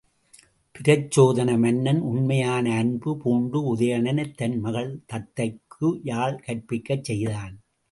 பிரச்சோதன மன்னன், உண்மையான அன்பு பூண்டு உதயணனைத் தன் மகள் தத்தைக்கு யாழ் கற்பிக்கச் செய்தான்.